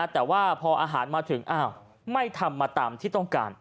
แต่ว่าพออาหารมาถึงอ้าวไม่ทำมาตามที่ต้องการ